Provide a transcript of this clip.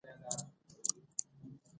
اوهووو ولې مو پرېښودله.